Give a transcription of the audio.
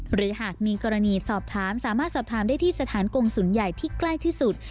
หรือหากมีกรณีสอบถามสามารถสอบถามได้ที่สถานกงศูนย์ใหญ่ที่ใกล้ที่สุด